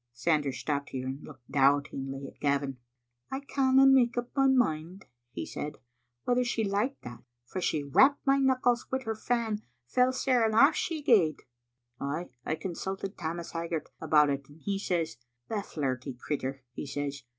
'" Sanders stopped here and looked doubtingly at Gavin. " I canna make up my mind," he said, " whether she liked that, for she rapped my knuckles wi' her fan fell sair, and aflE she gaed. Ay, I consulted Tammas Hag gart about it, and he says, *The flirty crittur,' he says.